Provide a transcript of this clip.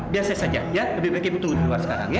biar saya saja ya lebih baik ibu tunggu di luar sekarang ya